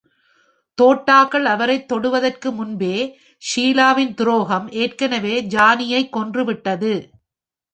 தோட்டாக்கள் அவரைத் தொடுவதற்கு முன்பே, ஷீலாவின் துரோகம் ஏற்கனவே ஜானியைக் கொன்றுவிட்டது.